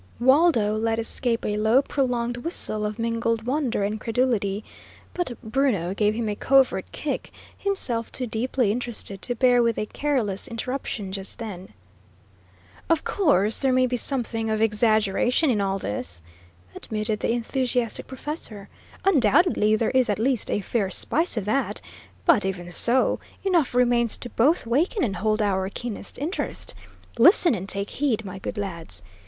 Waldo let escape a low, prolonged whistle of mingled wonder and incredulity, but Bruno gave him a covert kick, himself too deeply interested to bear with a careless interruption just then. "Of course there may be something of exaggeration in all this," admitted the enthusiastic professor. "Undoubtedly, there is at least a fair spice of that; but, even so, enough remains to both waken and hold our keenest interest. Listen, and take heed, my good lads.